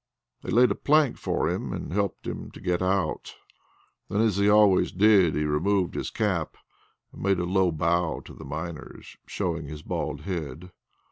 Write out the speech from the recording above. They laid a plank for him and helped him to get out. Then, as he always did, he removed his cap and made a low bow to the miners, showing his bald head.